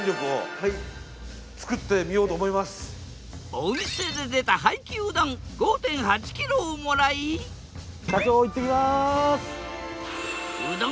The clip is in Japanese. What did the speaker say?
お店で出た廃棄うどん５．８キロをもらい社長行ってきます。